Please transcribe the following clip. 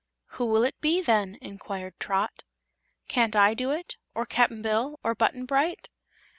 "Who will it be, then?" inquired Trot. "Can't I do it? Or Cap'n Bill, or Button Bright?"